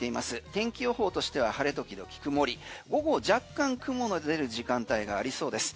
天気予報としては晴れ時々曇り午後、若干雲の出る時間帯がありそうです。